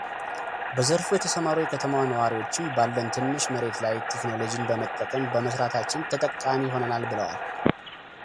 በዘርፉ የተሰማሩ የከተማዋ ነዋሪዎችም ባለን ትንሽ መሬት ላይ ቴክኖሎጂን በመጠቀም በመስራታችን ተጠቃሚ ሆነናል ብለዋል፡፡